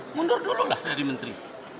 mundur dulu lah dari menteri